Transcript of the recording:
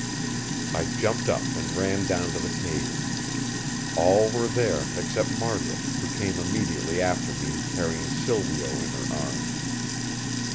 I jumped up and ran down to the cave. All were there except Margaret, who came immediately after me carrying Silvio in her arms.